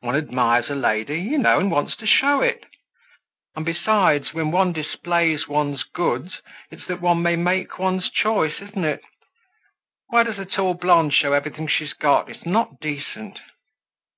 One admires a lady, you know, and wants to show it. And, besides, when one displays one's goods, it's that one may make one's choice, isn't it? Why does the tall blonde show everything she's got? It's not decent."